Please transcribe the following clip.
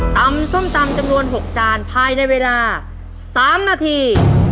ส้มตำจำนวน๖จานภายในเวลา๓นาที